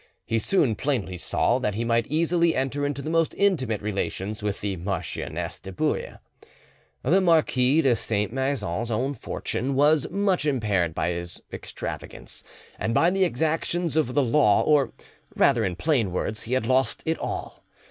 He soon plainly saw that he might easily enter into the most intimate relations with the Marchioness de Bouille. The Marquis de Saint Maixent's own fortune was much impaired by his extravagance and by the exactions of the law, or rather, in plain words, he had lost it all.